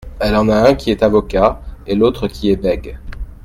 … elle en a un qui est avocat et l'autre qui est bègue …